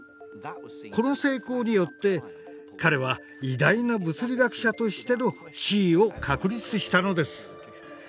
この成功によって彼は偉大な物理学者としての地位を確立したのです。